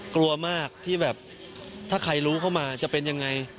กลัวมากที่แบบถ้าใครรู้เข้ามาจะเป็นยังไง